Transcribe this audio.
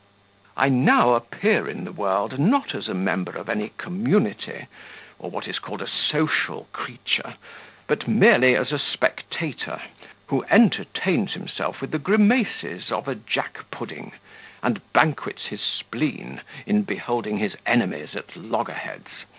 "I now appear in the world, not as a member of any community, or what is called a social creature, but merely as a spectator, who entertains himself with the grimaces of a jack pudding, and banquets his spleen in beholding his enemies at loggerheads.